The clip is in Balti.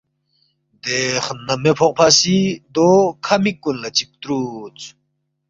دے خنم مے فوقفا سی دو کھہ مِک کُن لہ چِک تُرودس،